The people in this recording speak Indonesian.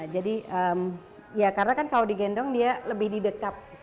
jadi ya karena kan kalau digendong dia lebih didekat